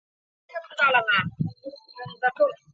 修智心净。